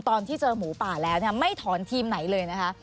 ตอนที่เจอหมูป่าแล้วไม่ถอนทีมไหนเลยนะคะ